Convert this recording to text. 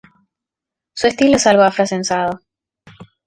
Su estilo es algo afrancesado.